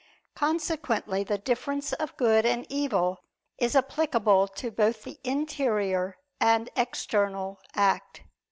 Consequently the difference of good and evil is applicable to both the interior and external act.